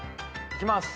いきます。